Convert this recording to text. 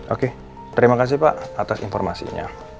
oke terima kasih pak atas informasinya